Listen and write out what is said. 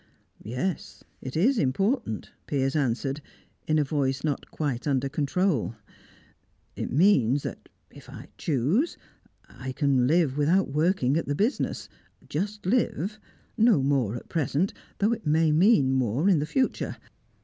"Yes, it is important," Piers answered, in a voice not quite under control. "It means that, if I choose, I can live without working at the business. Just live; no more, at present, though it may mean more in the future.